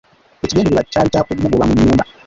Ekigendererwa kyali kya kumugoba mu nnyumba.